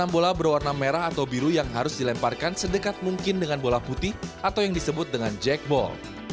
bola berwarna merah atau biru yang harus dilemparkan sedekat mungkin dengan bola putih atau yang disebut dengan jackball